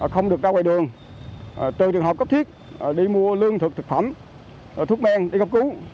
không được ra ngoài đường trừ trường hợp cấp thiết đi mua lương thực thực phẩm thuốc men đi cấp cứu